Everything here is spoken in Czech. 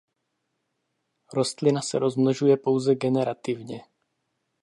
Rostlina se rozmnožuje pouze generativně.